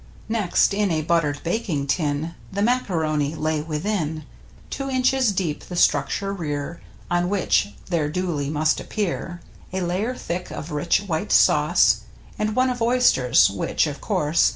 Next in a buttered baking tin The macaroni lay within, Two inches deep the structure rear, On which there duly must appear A layer thick of rich, white sauce, And one of oysters which, of course.